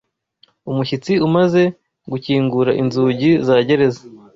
Umushyitsi umaze gukingura inzugi za gereza